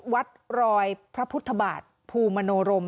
วัดรอยพระพุทธบาทภูมิมโนรม